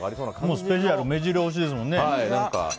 スペシャル目白押しですもんね。